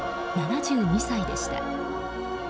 ７２歳でした。